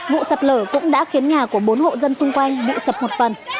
vụ sạt lở cũng đã khiến nhà của bốn hộ dân xung quanh bị sập một phần